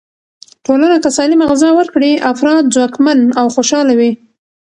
ټولنه که سالمه غذا ورکړي، افراد ځواکمن او خوشحاله وي.